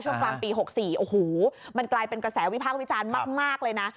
กลางปี๖๔โอ้โหมันกลายเป็นกระแสวิพากษ์วิจารณ์มากเลยนะ